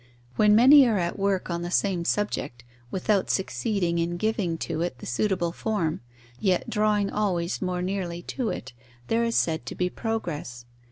When many are at work on the same subject, without succeeding in giving to it the suitable form, yet drawing always more nearly to it, there is said to be progress.